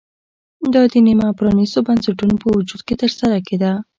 دا د نیمه پرانېستو بنسټونو په وجود کې ترسره کېده